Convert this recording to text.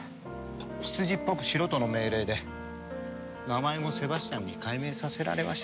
執事っぽくしろとの命令で名前もセバスチャンに改名させられました。